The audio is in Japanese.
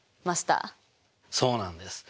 そうなんです。